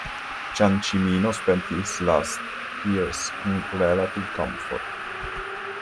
Ciancimino spent his last years in relative comfort.